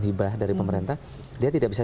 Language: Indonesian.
hibah dari pemerintah dia tidak bisa